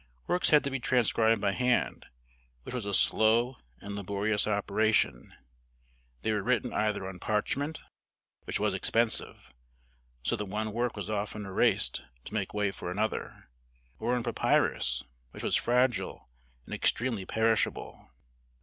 Works had to be transcribed by hand, which was a slow and laborious operation; they were written either on parchment, which was expensive, so that one work was often erased to make way for another; or on papyrus, which was fragile and extremely perishable.